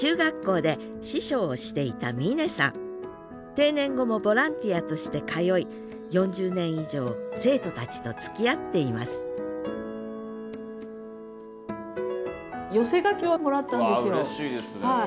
定年後もボランティアとして通い４０年以上生徒たちとつきあっていますわうれしいですねそれは。